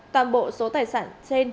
toàn bộ số tài sản trên